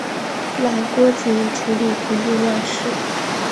赖郭子仪处理平定乱事。